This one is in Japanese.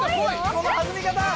その弾み方。